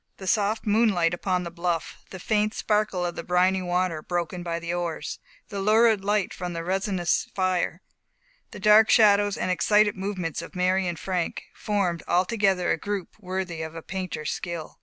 The soft moonlight upon the bluff the faint sparkle of the briny water broken by the oars the lurid light from the resinous fire the dark shadows and excited movements of Mary and Frank formed altogether a group worthy of a painter's skill.